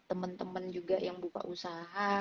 teman teman juga yang buka usaha